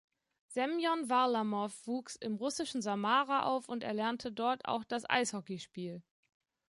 Semjon Warlamow wuchs im russischen Samara auf und erlernte dort auch das Eishockeyspiel.